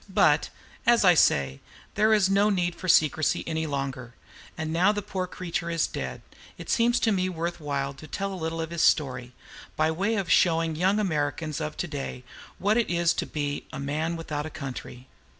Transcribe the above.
But, as I say, there is no need for secrecy any longer. And now the poor creature is dead, it seems to me worth while to tell a little of his story, by way of showing young Americans of to day what it is to be A MAN WITHOUT A COUNTRY.